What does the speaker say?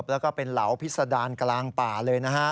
แล้วก็เป็นเหลาพิษดารกลางป่าเลยนะฮะ